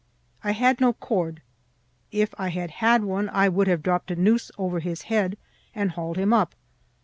I had no cord. If I had had one, I would have dropped a noose over his head and hauled him up.